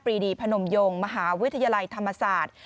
รีดีพนมยงมหาวิทยาลัยธรรมศาสตร์